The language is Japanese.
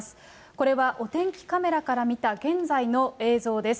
これはお天気カメラから見た現在の映像です。